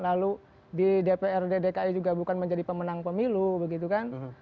lalu di dprd dki juga bukan menjadi pemenang pemilu begitu kan